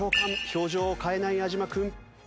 表情を変えない安嶋君。